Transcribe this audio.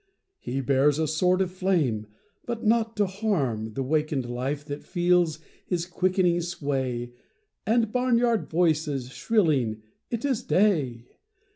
He bears a sword of flame but not to harm The wakened life that feels his quickening sway And barnyard voices shrilling "It is day!"